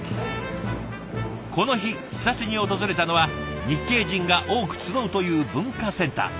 この日視察に訪れたのは日系人が多く集うという文化センター。